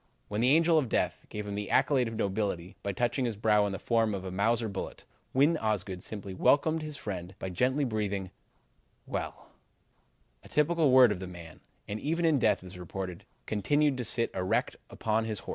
"When the Angel of Death gave him the accolade of nobility by touching his brow in the form of a Mauser bullet, Win Osgood simply welcomed his friend by gently breathing 'Well,' a word typical of the man, and even in death, it is reported, continued to sit erect upon his horse."